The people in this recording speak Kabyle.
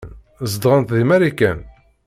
Zedɣent deg Marikan.